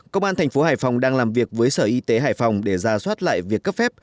công an thành phố hải phòng đang làm việc với sở y tế hải phòng để ra soát lại việc cấp phép